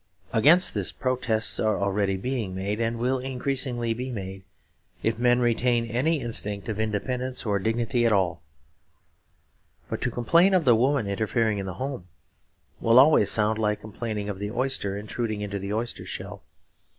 Against this protests are already being made, and will increasingly be made, if men retain any instinct of independence or dignity at all. But to complain of the woman interfering in the home will always sound like complaining of the oyster intruding into the oyster shell.